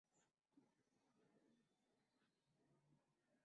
সাত হাজার বছরে এই প্রথম আমাদের মধ্যে কারও মৃত্যু হলো।